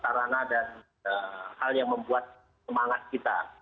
sarana dan hal yang membuat semangat kita